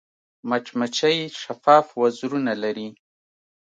مچمچۍ شفاف وزرونه لري